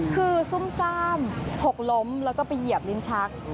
คือซุ่มซ่ามหกล้มแล้วก็ไปเหยียบลิ้นชัก